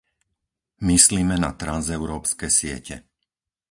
Myslime na transeurópske siete.